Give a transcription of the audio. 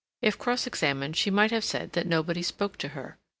If cross examined she might have said that nobody spoke to her.